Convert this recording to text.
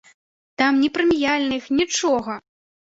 Там ні прэміяльных, нічога.